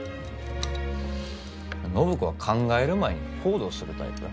暢子は考える前に行動するタイプ。